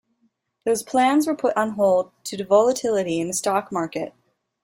Those plans were put on hold due to volatility in the stock market.